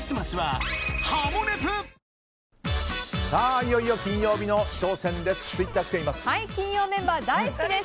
いよいよ金曜日の挑戦です。